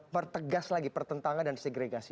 pertegas lagi pertentangan dan segregasi